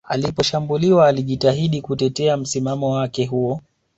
Aliposhambuliwa alijitahidi kutetea msimamo wake huo